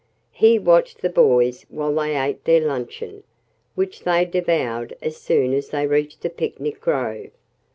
He watched the boys while they ate their luncheon, which they devoured as soon as they reached the picnic grove.